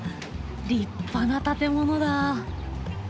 立派な建物だ。